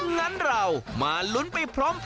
งั้นเรามาลุ้นไปพร้อม